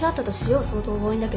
相当強引だけど。